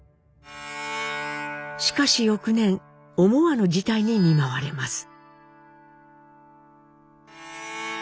しかし翌年思わぬ事態に見舞われます。